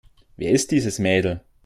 Wer ist dieses Mädel?